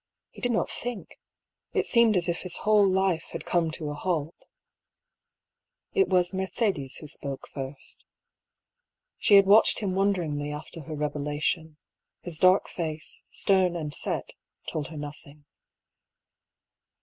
He did not think. It seemed as if his whole life had come to a halt. It was Mercedes who spoke first. She had watched him wonderingly after her revelation. His dark face, stern and set, told her nothing.